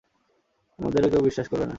আমাদেরও কেউ বিশ্বাস করবে না।